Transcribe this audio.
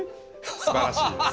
すばらしいです。